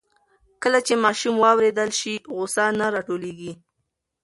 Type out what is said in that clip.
کله چې ماشوم واورېدل شي, غوسه نه راټولېږي.